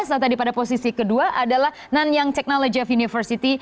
saat tadi pada posisi kedua adalah nanyang technology of university